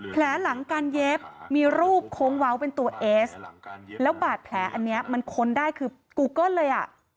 หลังการเย็บมีรูปโค้งเว้าเป็นตัวเอสแล้วบาดแผลอันนี้มันค้นได้คือกูเกิ้ลเลยอ่ะ